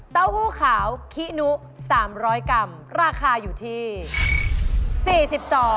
เต้าหู้ขาวขี้นุ๓๐๐กรัมราคาอยู่ที่๔๒บาท